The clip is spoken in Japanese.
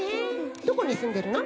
どこにすんでるの？